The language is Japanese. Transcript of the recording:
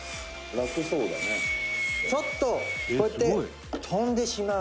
横尾：「ちょっと、こうやって飛んでしまう」